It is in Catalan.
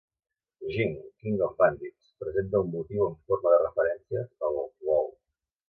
"Jing: King of Bandits" presenta un motiu en forma de referències a l'alcohol.